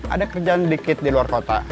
ada kerjaan dikit di luar kota